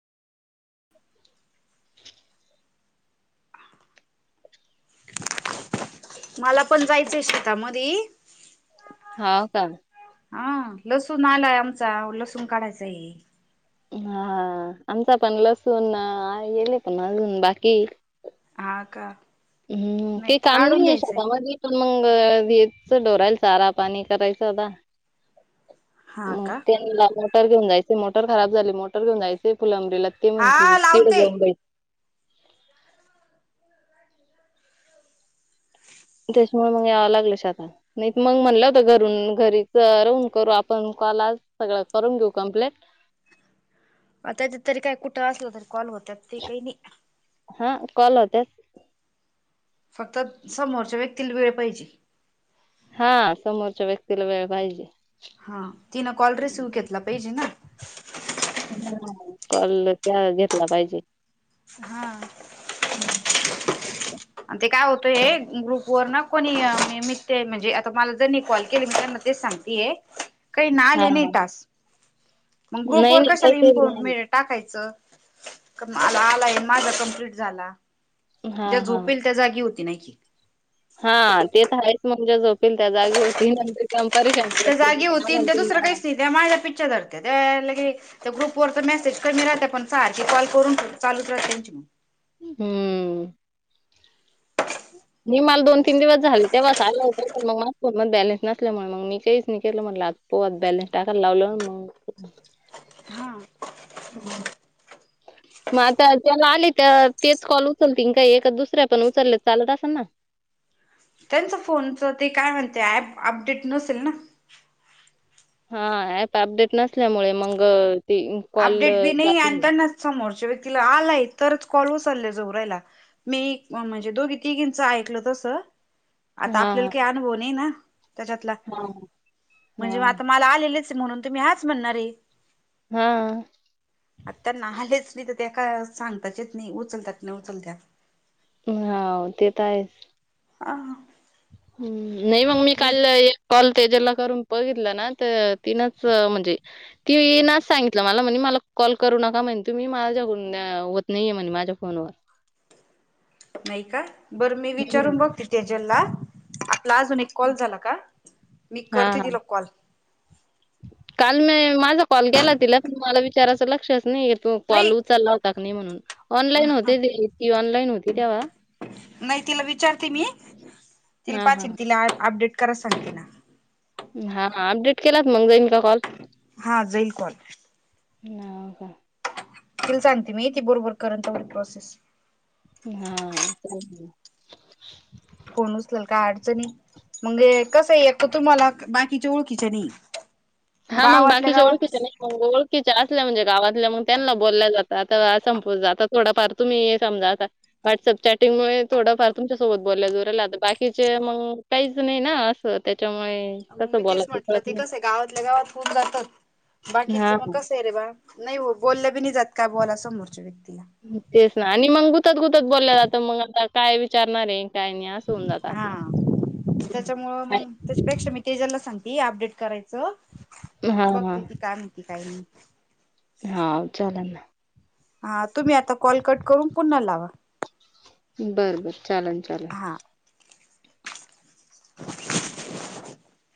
[unintelligible] मला पण जायचं शेता म दी.. होव का? आ.. लसूण आलायं आमचा, लसूण काढायचा आहे. हा.. आमचा पण लसूण येले पण आजून बाकी ये. हा,. का. हं.. काही काम काढून नाही आहे घ्यायचंय शेतामध्ये? पण मग हेच डोरायला चारा, पाणी करायचं आता. हा मग का त्यांनला मोटर घेऊन जायचे, मोटर खराब झाले मोटर घेऊन जायचे फुलंबरीला. ते म्हणत हा हुतत ते गं लावते जाउन बाईं. तेच्या मुळं मग यावं लागलं शेतात. नाही त मग म्हणलं होतं घरून, घरीच राहून करू आपण कॉल आज सगळं करून घेऊ कम्प्लेट. आता जिथं तरी काय कुठं असलं तरी, कॉल होतात ते काही नाही? हा कॉल होत्यात. फक्त समोरच्या व्यक्तीला वेळ पाहिजे. हा, समोरच्या व्यक्तीला वेळ पाहिजे. हा तीन कॉल रिसिव्ह घेतला पाहिजे ना. हां.. कॉल घ्या घेतला पाहिजे. हा... ते काय होतंय ग्रुप वर कोणी मित ते म्हणजे आता मला ज्यांनी कॉल केले मी त्यांना तेच सांग ते काही ना आले हां. नाही टास्क, मग ग्रुप नाही वर नाही कशाला तसे इम्फ नाही आली. टाकायचं का मला आलाय, अन माझा कंम्प्लीट झाला. हा ज्या हा झोपेल त्या जागी होती नाही की. हा ते तर हायच म्हणजे जोपेल त्या जागी होतील, अन नंतर परिशन त्या जागी होतील त्या दुसरं काहीच नाही, त्या माझ्या पिच्छा धरता त्या लगी त्या ग्रुप वर तर मेसेज कमी राहत्या, पण सारखी कॉल करून चालूच राहते त्यांची मग. ह... नाही मला दोन तीन दिवस झाले तेव्हाच आलं होतं, पण मग माझ्या फोनमधी बॅलेन्स नसल्यामुळे मग मी काहीच नाही केलं म्हटलं आज पोआत बॅलस टाकायला लावलं अन् मंग- हा. ह... मग आता त्याला आले तर, तेच कॉल उचलतील काही एका दुसऱ्या पण उचलले चालत असल ना? त्यांचं फोनचं ते काय म्हणते, ऍप अपडेट नसेल ना. हा ऍप अपडेट नसल्यामुळे मग ती कॉल अपडेट बी जात नाही आणि नाहीत. त्यांना समोरच्या व्यक्तीला आलायं, तरच कॉल उचलले जाऊ रायला. मी मग म्हणजे दोघी तिघीचं ऐकलं तसं आता आपल्याला हा काही अनुभव नाही ना त्याच्यातला, हा हा म्हणजे म आता मला आलेलेच असेल म्हणुन तुम्ही हाच म्हणणार आहे. हा.... आता त्याना आलेच नाही तर त्या का सांगताच येत नाही उचलतात नही उचलतात. हा, ते तर आहेच आ हं. ह्म्म, नही मग मी काल ऐक कॉल तेजला करून बघितलं ना तर तिनच म्हणजे ती ये नाच सांगितलं मला म्हणे मला कॉल करू नका. म्हणे तुम्ही माझ्याकडून्या होत नाहीये म्हणे माझ्या फोनवर [inaudible] नाही का? बरं मी हं. विचारून बघते तेजल ला आपला अजून एक कॉल झाला का? मी हां, करते हां. तिला कॉल. काल मी माझा कॉल गेला तिला पण मला विचाराचं लक्षच नाही. तू कॉल नाही उचचालला टाक नाही म्हणून ऑनलाईन होते ते, ती ऑनलाईन होती तेव्हा नाही तिला विचारते मी तिला हां, पाची हां. तिला अपडेट कराला सागंतेना. हा हा, अपडेट केलात क मग जाईन का कॉल. हा जाईल कॉल. ना. तुल सांगते मीय ती बरोबर करल तेवढी प्रोसेस. हा हा, चालेल ना फोन उचलायल काय अडचनी? मणजे कसं ऐक तर तुम्हाला बाकीच्या ओळखीच्या नाहीये. हा मग बाकीची ओळखी च्या नाही. मग ओळखीच्या असल्या म्हणजे गावातल्या मग त्यांना बोलल्या जात, आता संपुन जाता थोडाफार तुम्ही हे समजा आता व्हॉट्सअप चॅटिंगमुळे थोडफार तुमच्यासोबत बोलल्या जोरालाता बाकीचे मग काहीच नाही ना असं त्याच्यामुळे मग मी तसं तेच बोलायच म्हटलं कळत ते नाही. कसं आहे गावातल्या गावात हुन जातं, हां, बाकीचं मग हां. कसं आहे रे बाळ नाही हो बोललं बी नाही जात, काय बोलायचं समोरच्या व्यक्तीला तेच ना आणि मग गुतत गुतत बोलल्या जात मग आता काय विचारणार आहे काय नाही असं? होऊन जातं हा आपल्याला. त्याच्यामुळं हं. मग त्याच प्रेक्षा मी तेजलला सांगती अपडेट करायचं, हां, हां. बघते ती काय म्हणती काय नाही? हा चालंल ना हा तुम्ही आता कॉल कट करून पुन्हा लावा. बरं- बरं, चालंल चालंल. हा.... [inaudible]